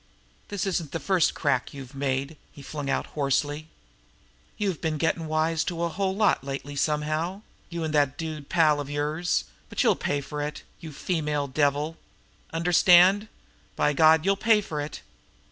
"This isn't the first crack you've made!" he flung out hoarsely. "You've been getting wise to a whole lot lately somehow, you and that dude pal of yours, but you'll pay for it, you female devil! Understand? By God, you'll pay for it!